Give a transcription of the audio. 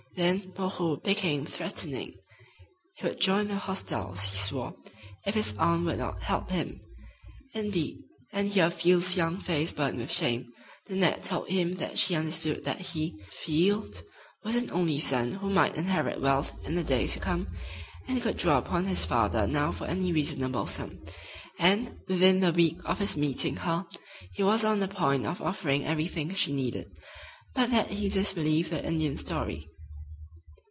Then "Moreau" became threatening. He would join the hostiles, he swore, if his aunt would not help him. Indeed, and here Field's young face burned with shame, Nanette told him that she understood that he, Field, was an only son who might inherit wealth in days to come, and could draw upon his father now for any reasonable sum; and, within the week of his meeting her, he was on the point of offering everything she needed, but that he disbelieved the Indian's story.